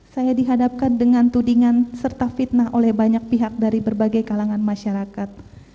saya dihadapkan dengan tudingan serta fitnah oleh banyak pihak dari berbagai kalangan masyarakat